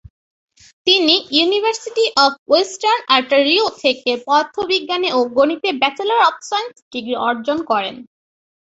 তিনি University of Western Ontario থেকে পদার্থবিজ্ঞান ও গণিতে ব্যাচেলর অব সায়েন্স ডিগ্রি অর্জন করেন।